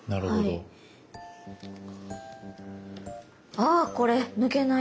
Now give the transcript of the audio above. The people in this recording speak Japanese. あこれ抜けない。